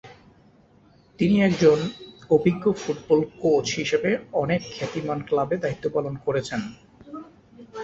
তিনি একজন অভিজ্ঞ ফুটবল কোচ হিসাবে অনেক খ্যাতিমান ক্লাবে দায়িত্ব পালন করেছেন।